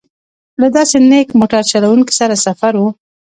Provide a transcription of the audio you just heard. له داسې نېک موټر چلوونکي سره سفر و.